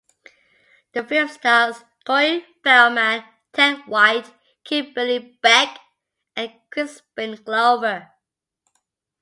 The film stars Corey Feldman, Ted White, Kimberly Beck, and Crispin Glover.